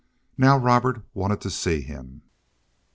Now Robert wanted to see him.